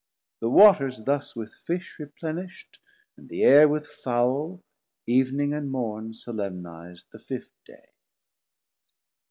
The Waters thus With Fish replenisht, and the Aire with Fowle, Ev'ning and Morn solemniz'd the Fift day.